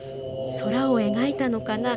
空を描いたのかな。